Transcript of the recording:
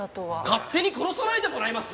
勝手に殺さないでもらえます？